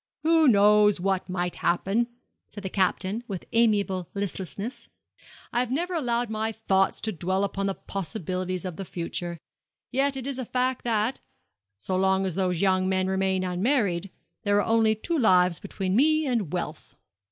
'Who knows what might happen?' said the Captain, with amiable listlessness. 'I have never allowed my thoughts to dwell upon the possibilities of the future; yet it is a fact that, so long as those young men remain unmarried, there are only two lives between me and wealth.